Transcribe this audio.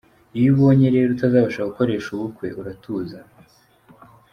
Iyo ubonye rero utazabasha gukoresha ubukwe ,uratuza.